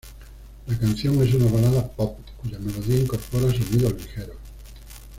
La canción es una balada pop, cuya melodía incorpora sonidos ligeros.